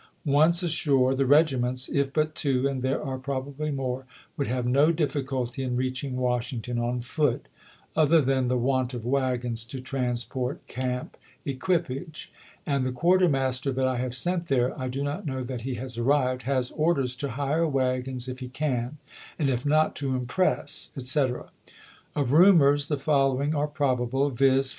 Once ashore, the regiments (if but two, and there are probably more) would have no difficulty in reaching Washington on foot, other than the want of wagons to transport camp equipage; and the quartermaster that 1 have sent there (I do not know that he has arrived) has orders to hire wagons if he can, and if not, to impress, etc. Of rumors, the following are probable, viz.